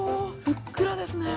ふっくらですね。